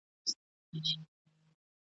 هغه وویل چې سفر کول پوهه زیاتوي.